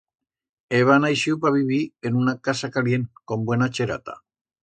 Heba naixiu pa vivir en una casa calient, con buena cherata.